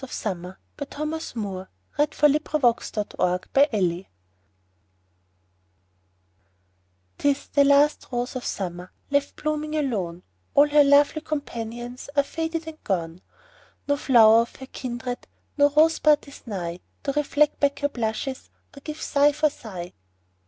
...other Poetry Sites Thomas Moore (1779 1852) 'TIS THE LAST ROSE OF SUMMER 'TIS the last rose of summer, Left blooming alone ; All her lovely companions Are faded and gone ; No flower of her kindred, No rose bud is nigh, To reflect back her blushes, Or give sigh for sigh.